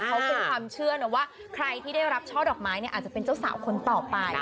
เขาเป็นความเชื่อนะว่าใครที่ได้รับช่อดอกไม้เนี่ยอาจจะเป็นเจ้าสาวคนต่อไป